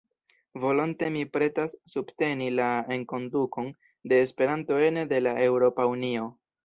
Volonte mi pretas subteni la enkondukon de Esperanto ene de la Eŭropa Unio.